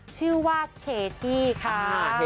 ชื่อว่าเคที่ค่ะ